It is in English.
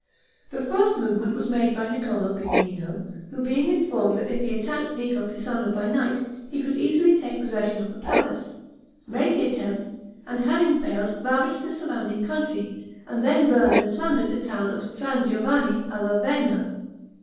The first movement was made by Niccolo Piccinino, who being informed that if he attacked Vico Pisano by night, he could easily take possession of the place, made the attempt, and having failed, ravaged the surrounding country, and then burned and plundered the town of San Giovanni alla Vena.